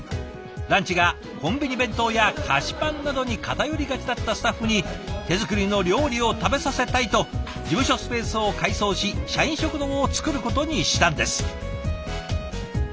ランチがコンビニ弁当や菓子パンなどに偏りがちだったスタッフに「手作りの料理を食べさせたい！」と事務所スペースを改装し社員食堂を作ることにしたんです。